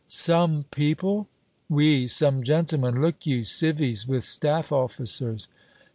"Some people?" "Oui, some gentlemen, look you. Civvies, with Staff officers."